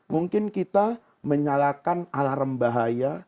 mungkin kita menyalakan alarm bahaya